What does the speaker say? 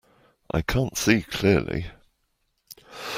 I can't see clearly.